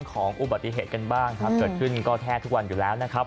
ของอุบัติเหตุกันบ้างครับเกิดขึ้นก็แทบทุกวันอยู่แล้วนะครับ